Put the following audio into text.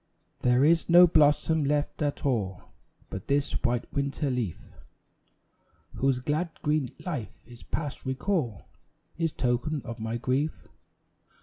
There is no blossom left at all; But this white winter leaf, Whose glad green life is past recall, Is token of my grief.